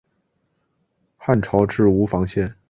汉朝置吴房县。